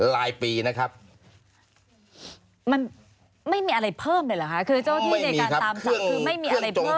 รายปีนะครับมันไม่มีอะไรเพิ่มเลยเหรอคะคือเจ้าที่ในการตามจับคือไม่มีอะไรเพิ่ม